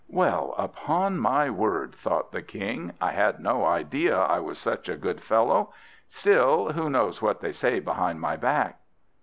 "Well, upon my word," thought the King, "I had no idea I was such a good fellow. Still, who knows what they say behind my back?